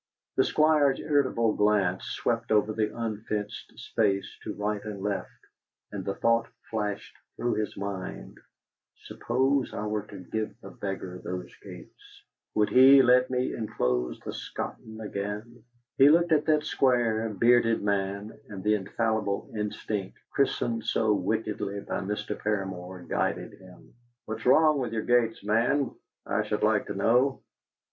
The Squire's irritable glance swept over the unfenced space to right and left, and the thought flashed through his mind: '.uppose I were to give the beggar those gates, would he would he let me enclose the Scotton again?' He looked at that square, bearded man, and the infallible instinct, christened so wickedly by Mr. Paramor, guided him. "What's wrong with your gates, man, I should like to know?"